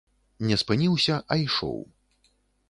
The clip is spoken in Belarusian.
Не спыніўся, а ішоў.